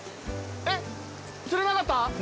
えっ釣れなかった？